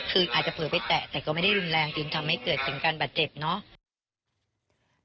คืออาจจะเผลอไปแตะแต่ก็ไม่ได้รุนแรงจึงทำให้เกิดถึงการบาดเจ็บเนาะ